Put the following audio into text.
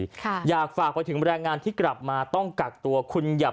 ค่ะอยากฝากไปถึงแรงงานที่กลับมาต้องกักตัวคุณอย่า